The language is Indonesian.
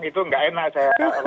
itu gak enak